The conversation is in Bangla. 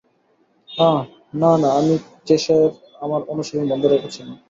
আহ, না, না আমি চেশায়ারে আমার অনুশীলন বন্ধ রেখেছিলাম।